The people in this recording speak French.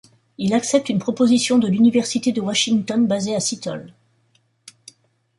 Il accepte une proposition de l'université de Washington, basé à Seattle.